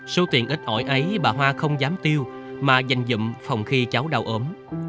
số tiền ít ỏi ấy bà hoa không dám tiêu mà dành dụng phòng khi cháu đau ốm